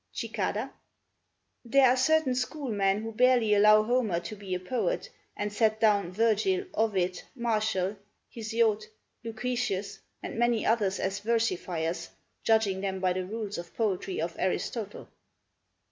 Cicada There are certain schoolmen who barely allow Homer to be a poet, and set down Virgil, Ovid, Martial, Hesiod, Lucretius, and many others as versifiers, judging them by the rules of poetry of Aristotle.